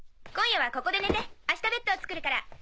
今夜はここで寝て明日ベッドを作るから。